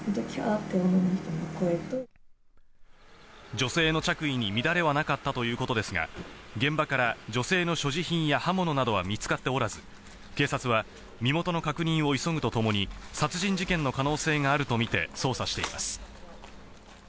女性の着衣に乱れはなかったということですが、現場から女性の所持品や刃物などは見つかっておらず、警察は身元の確認を急ぐとともに、殺人事件の可能性があるとみて捜査しています。